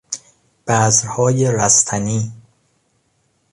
بذرهای رستنی